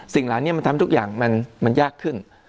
เหล่านี้มันทำทุกอย่างมันยากขึ้น